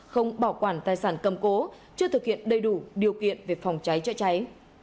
không bảo quản tài sản cầm cố chưa thực hiện đầy đủ điều kiện về phòng cháy chữa cháy